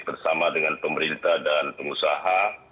bersama dengan pemerintah dan pengusaha